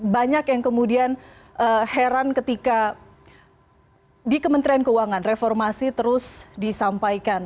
banyak yang kemudian heran ketika di kementerian keuangan reformasi terus disampaikan